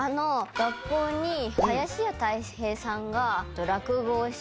学校に林家たい平さんが。